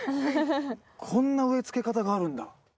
こんな植えつけ方があるんだ。